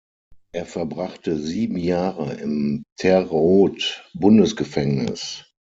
Er verbrachte sieben Jahre im Terre-Haute-Bundesgefängnis.